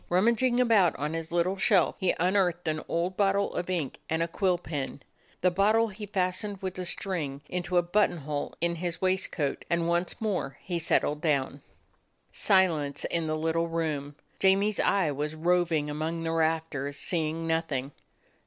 Rummaging about on his little shelf, he unearthed an old bottle of ink and a quill pen. The bottle he fastened with a string into a button hole in his waistcoat, and once more he settled down. 67 DOG HEROES OF MANY LANDS Silence in the little room. Jamie's eye was roving among the rafters, seeing nothing.